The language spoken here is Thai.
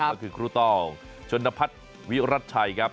ก็คือครูต้องชนพัฒน์วิรัติชัยครับ